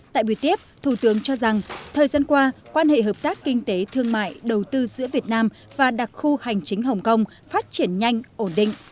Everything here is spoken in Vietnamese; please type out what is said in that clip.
tại buổi tiếp thủ tướng cho rằng thời gian qua quan hệ hợp tác kinh tế thương mại đầu tư giữa việt nam và đặc khu hành chính hồng kông phát triển nhanh ổn định